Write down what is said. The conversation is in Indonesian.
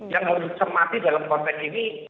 yang harus dicermati dalam konteks ini